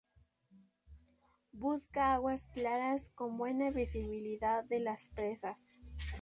Busca aguas claras con buena visibilidad de las presas.